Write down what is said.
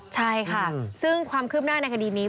ใช่ค่ะซึ่งความคืบหน้าในคดีนี้